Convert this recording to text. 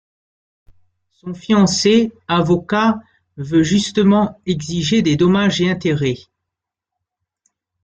Son fiancé, avocat, veut justement exiger des dommages et intérêts.